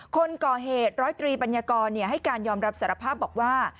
คนก่อเหตุร้อยตรีปัญญากรให้การยอมรับสารภาพบอกว่า